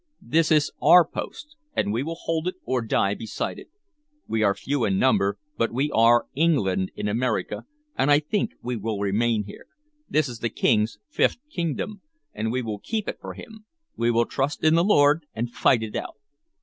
This is our post, and we will hold it or die beside it. We are few in number, but we are England in America, and I think we will remain here. This is the King's fifth kingdom, and we will keep it for him. We will trust in the Lord and fight it out."